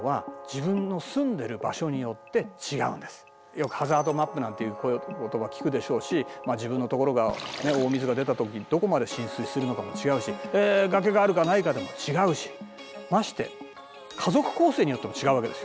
よくハザードマップなんていう言葉聞くでしょうし自分のところが大水が出た時どこまで浸水するのかも違うし崖があるかないかで違うしまして家族構成によっても違うわけですよ。